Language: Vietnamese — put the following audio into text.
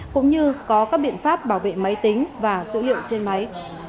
cũng như có các biện pháp bảo vệ máy tính và dữ liệu trên máy